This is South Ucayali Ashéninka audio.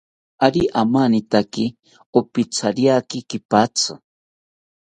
Ari amanitaki, opithariaki kipatzi